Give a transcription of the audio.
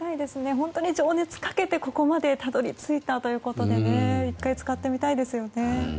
本当に情熱をかけてここまでたどり着いたということで１回、浸かってみたいですね。